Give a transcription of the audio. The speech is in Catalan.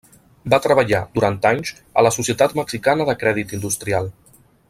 Va treballar, durant anys, a la Societat Mexicana de Crèdit Industrial.